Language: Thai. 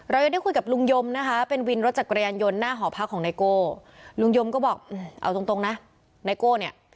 เรายังได้คุยกับลุงยมนะคะเป็นวินรถจักรยานยนต์หน้าหอพักของไนโก้ลุงยมก็บอกเอาตรงนะไนโก้เนี่ย